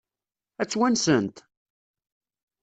Ad tt-wansent?